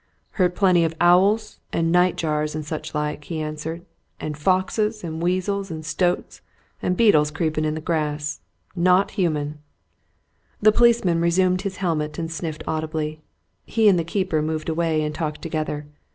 "Heard plenty of owls, and night jars, and such like," he answered, "and foxes, and weasels, and stoats, and beetles creeping in the grass. Naught human!" The policeman resumed his helmet and sniffed audibly. He and the keeper moved away and talked together.